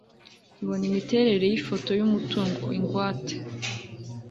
ibona imiterere y ifoto y umutungo ingwate